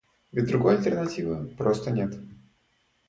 Ведь другой альтернативы просто нет.